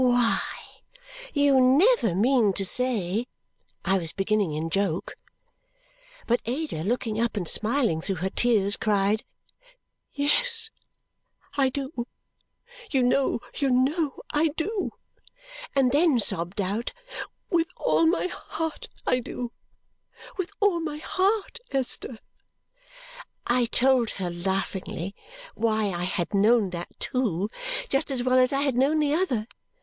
"Why, you never mean to say " I was beginning in joke. But Ada, looking up and smiling through her tears, cried, "Yes, I do! You know, you know I do!" And then sobbed out, "With all my heart I do! With all my whole heart, Esther!" I told her, laughing, why I had known that, too, just as well as I had known the other!